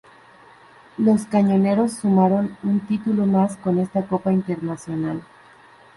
Los "cañoneros" sumaron un título mas con esta copa internacional.